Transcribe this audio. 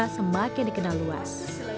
siva semakin dikenal luas